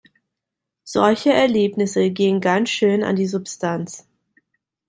Solche Erlebnisse gehen ganz schön an die Substanz.